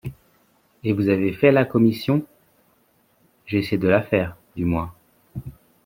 Et vous avez fait la commission ?… J'ai essayé de la faire, du moins.